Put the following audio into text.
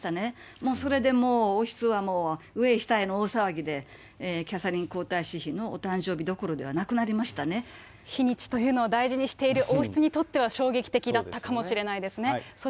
もうそれで王室はもう、上へ下への大騒ぎで、キャサリン皇太子妃のお誕生日どころではなくなりま日にちというのを大事にしている王室にとっては、衝撃的だったかもしれないですね。